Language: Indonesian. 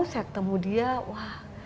saya ketemu dia wah